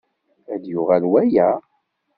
Ad d-yuɣal waya?